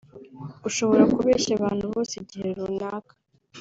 ushobora kubeshya abantu bose igihe runaka